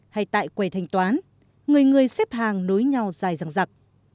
hay tại quầy thanh toán người người xếp hàng đối nhau dài răng rặc